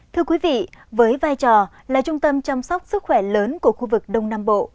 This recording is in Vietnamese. thưa quý vị với vai trò là trung tâm chăm sóc sức khỏe lớn của khu vực đông nam bộ